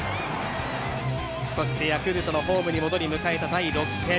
そしてヤクルトのホームに戻り迎えた第６戦。